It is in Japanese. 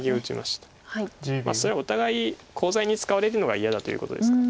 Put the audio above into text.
それはお互いコウ材に使われるのが嫌だということですか。